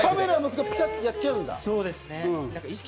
カメラが向くとやっちゃうんだ。